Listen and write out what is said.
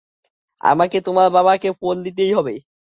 আমাকে তোমার বাবাকে ফোন দিতেই হবে।